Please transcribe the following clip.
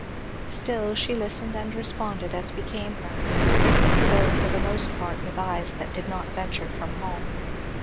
Still she listened and responded as became her, though for the most part with eyes that did not venture from home.